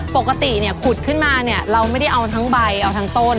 ปกติขุดขึ้นมาเราไม่ได้เอาทั้งใบทั้งต้น